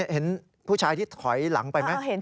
เห็นผู้ชายที่ถอยหลังไปไหม